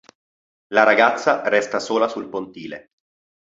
La ragazza resta sola sul pontile.